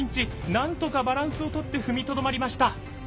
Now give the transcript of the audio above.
なんとかバランスをとって踏みとどまりました。